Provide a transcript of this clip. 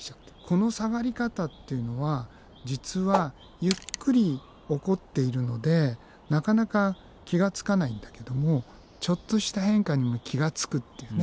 この下がり方っていうのは実はゆっくり起こっているのでなかなか気がつかないんだけどもちょっとした変化にも気がつくっていうね